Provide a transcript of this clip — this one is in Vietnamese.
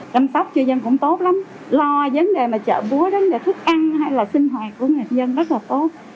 chăm sóc cho dân cũng tốt lắm lo vấn đề mà chợ búa đó vấn đề thức ăn hay là sinh hoạt của người dân rất là tốt